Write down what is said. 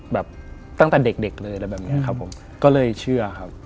แบบตั้งแต่เด็กเลยอะไรแบบนี้ครับผมก็เลยเชื่อครับ